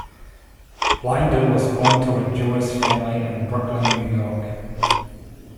Blinder was born to a Jewish family in Brooklyn, New York.